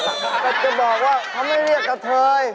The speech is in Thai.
แต่จะบอกว่าเขาไม่เรียกกะเทย